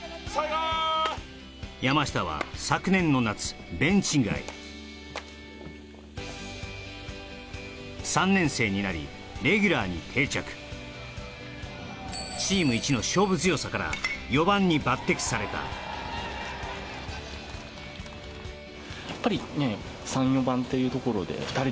こう山下は昨年の夏ベンチ外３年生になりレギュラーに定着チーム１の勝負強さから４番に抜擢されたやっぱりねっ３４番っていうところで２人でチームを引っ張ってきたってありますかね？